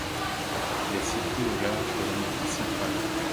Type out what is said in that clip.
Elle est située au large de l'Amérique Centrale.